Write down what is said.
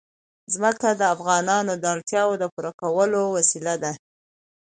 ځمکه د افغانانو د اړتیاوو د پوره کولو وسیله ده.